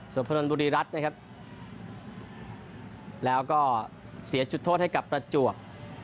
ส่วนพนนทบุรีรัฐนะครับแล้วก็เสียจุดโทษให้กับประจวบ